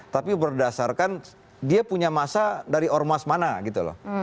tapi berdasarkan dia punya masa dari ormas mana gitu loh